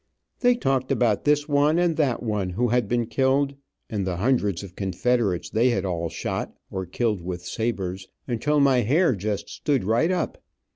They talked about this one and that one who had been killed, and the hundreds of confederates they had all shot or killed with sabres, until my hair just stood right up.